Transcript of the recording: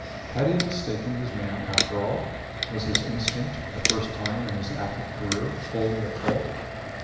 Had he mistaken his man after all? Was his instinct, for the first time in his active career, wholly at fault?